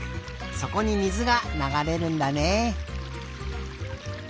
そこに水がながれるんだね。